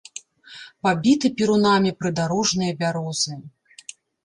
Пабіты перунамі прыдарожныя бярозы.